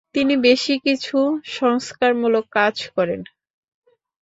তিনি বেশি কিছু সংস্কারমূলক কাজ করেন।